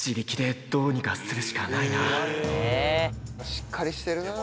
しっかりしてるなぁ。